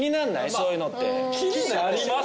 そういうのって気になります？